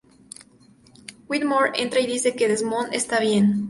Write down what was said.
Widmore entra y dice que Desmond está bien.